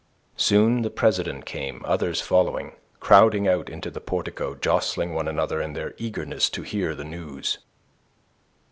Soon the president came, others following, crowding out into the portico, jostling one another in their eagerness to hear the news.